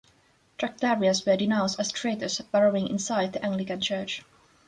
Tractarians were denounced as traitors burrowing inside the Anglican church.